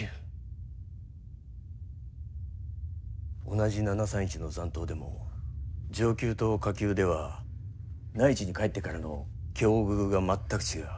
同じ７３１の残党でも上級と下級では内地に帰ってからの境遇が全く違う。